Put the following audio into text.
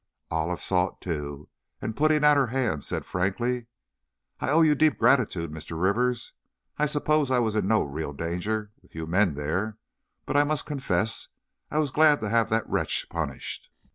Olive saw it, too, and putting out her hand, said, frankly: "I owe you deep gratitude, Mr. Rivers. I suppose I was in no real danger, with you men there, but I must confess I was glad to have that wretch punished."